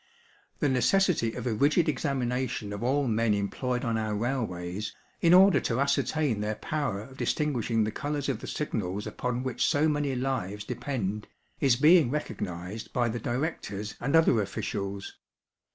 The necessity of a rigid examination of all men employed on our railways, in order to ascertain their power of distinguishing the colours of the signals upon which so many lives depend, is being recognised by the directors and other officials.